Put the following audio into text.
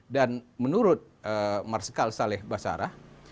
dan menurut marsikal saleh basarah